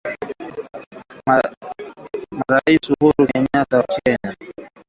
Marais Uhuru Kenyata wa Kenya